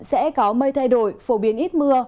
sẽ có mây thay đổi phổ biến ít mưa